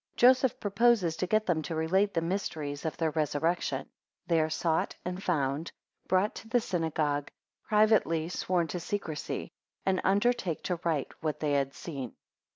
19 Joseph proposes to get them to relate the mysteries of their resurrection. 21 They are sought and found, 22 brought to the synagogue, 23 privately sworn to secrecy, 25 and undertake to write what they had seen.